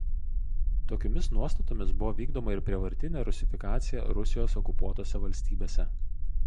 Tokiomis nuostatomis buvo vykdoma ir prievartinė rusifikacija Rusijos okupuotose valstybėse.